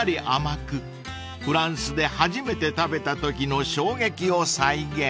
［フランスで初めて食べたときの衝撃を再現］